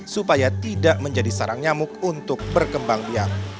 supaya tidak menjadi sarang nyamuk untuk berkembang biak